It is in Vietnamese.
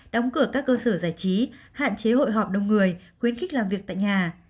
đóng cửa các cơ sở giải trí hạn chế hội họp đông người khuyến khích làm việc tại nhà